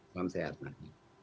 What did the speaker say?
selamat sehat pak